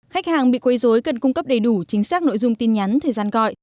khách hàng bị quấy dối cần cung cấp đầy đủ chính xác nội dung tin nhắn thời gian gọi